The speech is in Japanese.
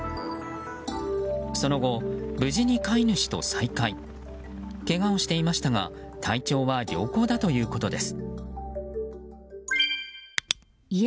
その後、無事に飼い主と再会。けがをしていましたが体調は良好だということです。